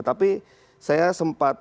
tapi saya sempat